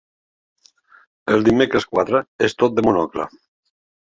El dimecres quatre és tot de Monocle.